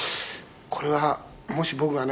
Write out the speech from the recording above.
これはもし僕がね